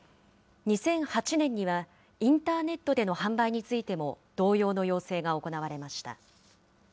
２００８年にはインターネットでの販売についても同様の要請が行われました。